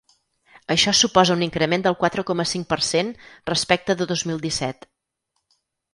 Això suposa un increment del quatre coma cinc per cent respecte de dos mil disset.